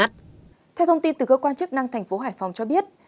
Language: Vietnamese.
theo thông tin từ cơ quan chức năng tp hải phòng cho biết